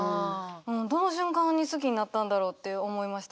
どの瞬間に好きになったんだろうって思いました。